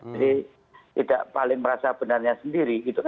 jadi tidak paling merasa benarnya sendiri